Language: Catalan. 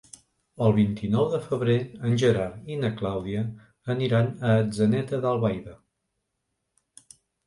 El vint-i-nou de febrer en Gerard i na Clàudia aniran a Atzeneta d'Albaida.